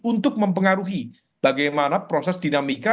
untuk mempengaruhi bagaimana proses dinamika